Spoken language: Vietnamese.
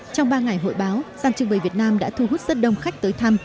trong ba ngày hội báo gian trưng bày việt nam đã thu hút rất đông khách tới thăm